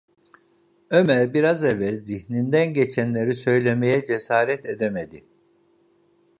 Ömer biraz evvel zihninden geçenleri söylemeye cesaret edemedi.